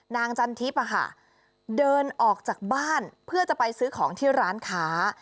จันทิพย์เดินออกจากบ้านเพื่อจะไปซื้อของที่ร้านค้า